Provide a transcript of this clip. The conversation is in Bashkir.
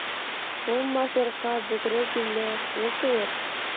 Булмаҫ йортҡа бөкрө билле ул тыуыр.